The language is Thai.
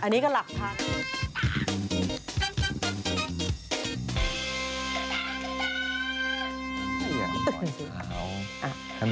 อันนี้ก็หลักภาพ